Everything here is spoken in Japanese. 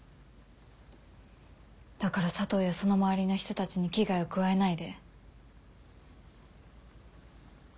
だから佐藤やその周りの人たちに危害を加えないで。